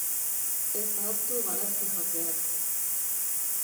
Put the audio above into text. Ez ahaztu barazkijakeak.